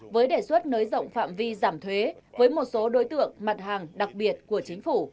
với đề xuất nới rộng phạm vi giảm thuế với một số đối tượng mặt hàng đặc biệt của chính phủ